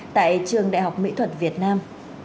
tại trường đại học mỹ thuật việt nam